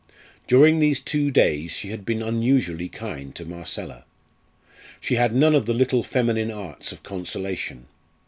During these two days she had been unusually kind to Marcella. She had none of the little feminine arts of consolation.